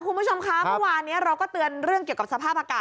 คุณผู้ชมคะเมื่อวานนี้เราก็เตือนเรื่องเกี่ยวกับสภาพอากาศ